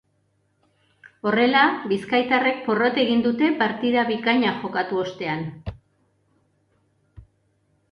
Horrela, bizkaitarrek porrot egin dute partida bikaina jokatu ostean.